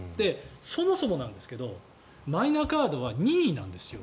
そもそもですがマイナンバーカードは任意なんですよ。